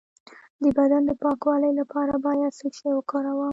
د بدن د پاکوالي لپاره باید څه شی وکاروم؟